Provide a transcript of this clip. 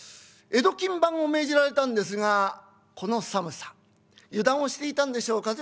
江戸勤番を命じられたんですがこの寒さ油断をしていたんでしょう